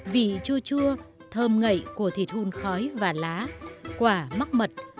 vị chua chua thơm ngậy của thịt hun khói và lá quả mắc mật